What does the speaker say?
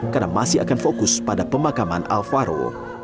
karena masih akan fokus pada pemakaman alvaro